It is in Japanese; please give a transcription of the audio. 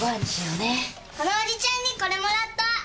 このおじちゃんにこれもらった。